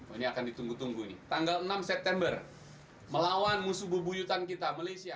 ini akan ditunggu tunggu ini tanggal enam september melawan musuh bebuyutan kita malaysia